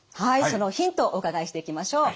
そのヒントをお伺いしていきましょう。